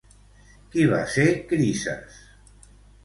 Qui va ser Crises?